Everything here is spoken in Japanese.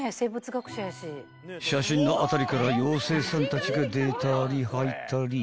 ［写真の辺りから妖精さんたちが出たり入ったり］